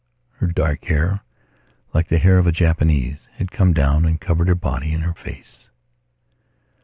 Her dark hair, like the hair of a Japanese, had come down and covered her body and her face.